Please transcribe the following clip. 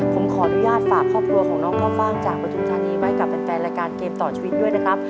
ผมขออนุญาตฝากครอบครัวของน้องข้าวฟ่างจากปฐุมธานีไว้กับแฟนรายการเกมต่อชีวิตด้วยนะครับ